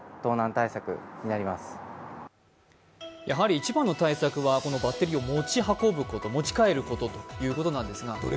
一番の対策はバッテリーを持ち外すこと、持ち帰ることということなんですが。